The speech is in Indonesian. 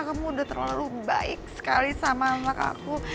kamu udah terlalu baik sekali sama anak aku